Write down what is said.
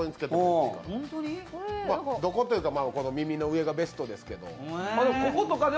どこっていうか、耳の上がベストですけど。